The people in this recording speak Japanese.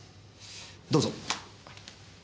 どうぞ。